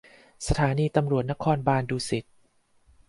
สถานีตำรวจนครบาลดุสิต